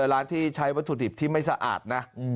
ร้านที่ใช้วัตถุดิบที่ไม่สะอาดนะ